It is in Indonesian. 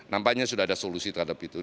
nampaknya sudah ada solusi terhadap itu